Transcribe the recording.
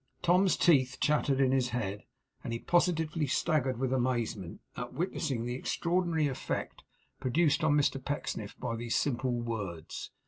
Tom's teeth chattered in his head, and he positively staggered with amazement, at witnessing the extraordinary effect produced on Mr Pecksniff by these simple words.